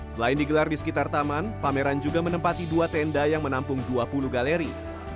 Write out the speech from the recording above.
selain digelar di sekitar taman pameran juga menempati dua tenda yang menampung dua puluh galeri